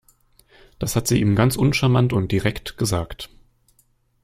Das hat sie ihm ganz uncharmant und direkt gesagt.